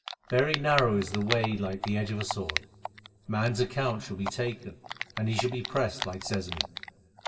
Very narrow is the way like the edge of a sword. Man s account shall be taken, and he shall be pressed like sesame.